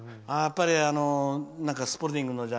スポルディングの。